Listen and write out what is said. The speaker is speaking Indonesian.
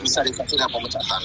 bisa disaksikan pengecatan